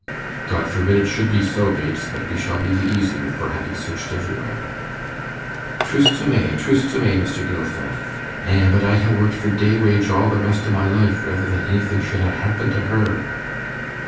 'God forbid it should be so, Bates, but we shall be the easier for having searched everywhere.' 'Troost to mae, troost to mae, Mr. Gilfil. Eh! but I'd ha' worked for day wage all the rest o' my life, rether than anythin' should ha' happened to her.